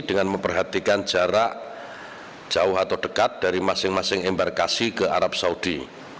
dengan memperhatikan jarak jauh atau dekat dari masing masing embarkasi ke arab saudi